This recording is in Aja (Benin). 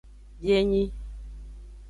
Bienyi.